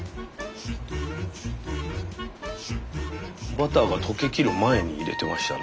バターが溶けきる前に入れてましたね